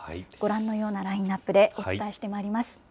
ご覧のようなラインナップでお伝えしてまいります。